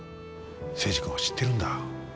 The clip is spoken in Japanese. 征二君を知ってるんだ。